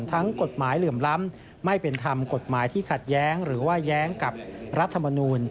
ทั้งกฎหมายเหลื่อมล้ำไม่เป็นธรรมกฎหมายที่ขัดแย้งหรือว่าแย้งกับรัฐมนูล